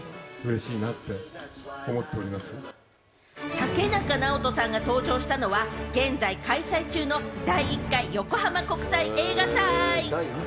竹中直人さんが登場したのは、現在、開催中の第１回横浜国際映画祭。